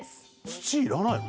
土いらないの？